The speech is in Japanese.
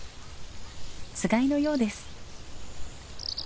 つがいのようです。